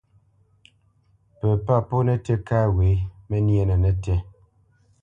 Pə pâ pó nətí kâ wě məníénə nətí.